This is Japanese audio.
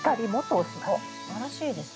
おっすばらしいですね。